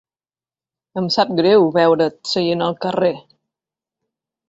Em sap greu veure't seient al carrer.